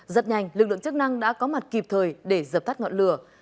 rất nhanh lực lượng chức năng đã có mặt kịp thời để dập tắt ngọn lửa